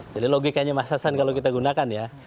jadi logikanya mas sasan kalau kita gunakan ya